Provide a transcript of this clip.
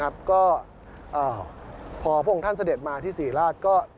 ก็พอพระองค์ท่านเสด็จมาที่ศรีราช